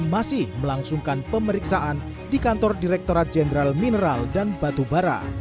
masih melangsungkan pemeriksaan di kantor direkturat jenderal mineral dan batu bara